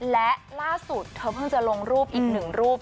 และล่าสุดเธอเพิ่งจะลงรูปอีกหนึ่งรูป